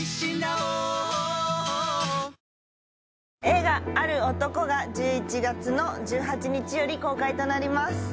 映画「ある男」が１１月の１８日より公開となります